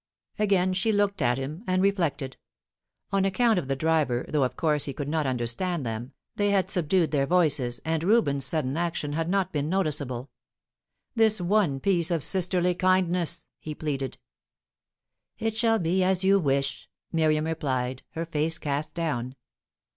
Again she looked at him, and reflected. On account of the driver, though of course he could not understand them, they had subdued their voices, and Reuben's sudden action had not been noticeable. "This one piece of sisterly kindness," he pleaded. "It shall be as you wish," Miriam replied, her face cast down.